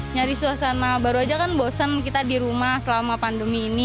nyari suasana baru aja kan bosen kita di rumah selama pandemi ini